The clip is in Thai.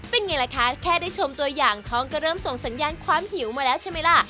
เป็นไงล่ะคะแค่ได้ชมตัวอย่างท้องก็เริ่มส่งสัญญาณความหิวมาแล้วใช่ไหมล่ะ